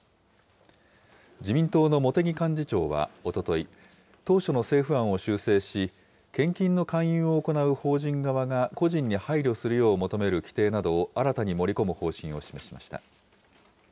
自民党の茂木幹事長は、おととい、当初の政府案を修正し、献金の勧誘を行う法人側が個人に配慮するよう求める規定などを新たに盛り込む方針を示しました。